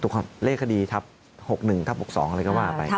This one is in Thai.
ถูกครับเลขดีทับ๖๑ทับ๖๒อะไรก็ว่าไปครับ